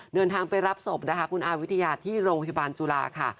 เดินทางไปรับศพนะคะคุณอาวิทยาที่โรงพยาบาลจุฬาค่ะ